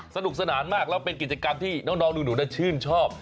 สนุกสนานมากแล้วเป็นกิจกรรมที่น้องหนูชื่นชอบ